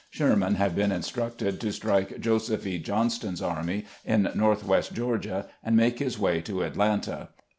Sherman had been instructed to strike Joseph E. Johnston's army in northwest Greorgia, and make his way to Atlanta.